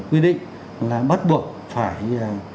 quy định là bắt buộc phải